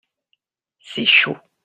C’est chaud.